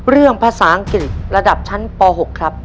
เรื่องภาษาอังกฤษระดับชั้นป๖ครับ